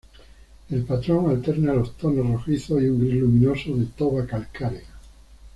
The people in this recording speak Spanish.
El patrón alterna los tonos rojizo y un gris luminoso de toba calcárea.